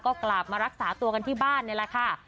ก็กลับมารักษาตัวกันที่บ้านนี่แหละค่ะ